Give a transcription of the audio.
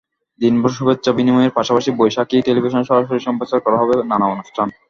দিনভর শুভেচ্ছা বিনিময়ের পাশাপাশি বৈশাখী টেলিভিশনে সরাসরি সম্প্রচার করা হবে নানা অনুষ্ঠান।